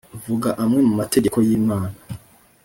Vuga amwe mu mategeko y’Imana